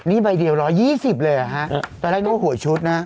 นี่ไปเดียว๑๒๐บาทเลยตอนนี้ไม่มีหัวชุดนะ